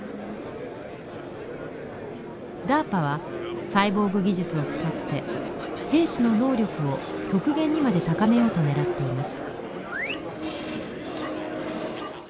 ＤＡＲＰＡはサイボーグ技術を使って兵士の能力を極限にまで高めようと狙っています。